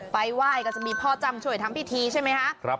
ไปไหว้ก็จะมีพ่อจรรย์ช่วยทั้งพิธิใช่ไหมครับ